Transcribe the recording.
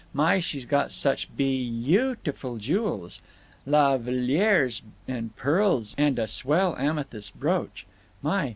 My, she's got such be yoo ti ful jewels! La V'lieres and pearls and a swell amethyst brooch. My!